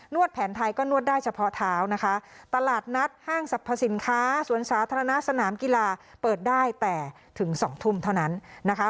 วดแผนไทยก็นวดได้เฉพาะเท้านะคะตลาดนัดห้างสรรพสินค้าสวนสาธารณะสนามกีฬาเปิดได้แต่ถึงสองทุ่มเท่านั้นนะคะ